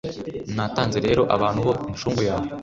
Natanze rero abantu ho incungu yawe,